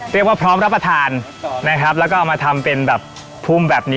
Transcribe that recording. พร้อมรับประทานนะครับแล้วก็เอามาทำเป็นแบบพุ่มแบบนี้